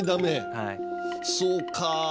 そうか。